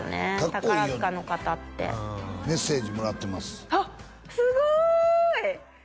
宝塚の方ってメッセージもらってますあっすごい！